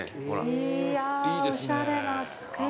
いやぁおしゃれな造り。